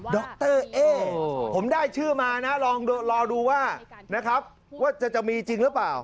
ดรเอผมได้ชื่อมานะรอดูว่าจะมีจริงหรือเปล่า